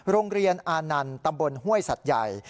โรงเรียนอานันต์ตำบลห้วยสัตว์ใหญ่